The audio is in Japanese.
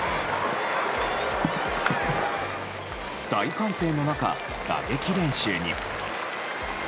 大歓声の中、打撃練習に。